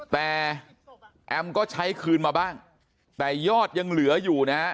แต่แอมก็ใช้คืนมาบ้างแต่ยอดยังเหลืออยู่นะฮะ